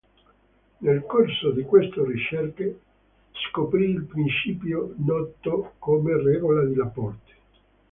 Nel corso di queste ricerche scoprì il principio noto come regola di Laporte.